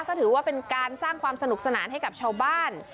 ก็ถือว่าเป็นการสร้างความสนุกสนานให้กับชาวบ้าน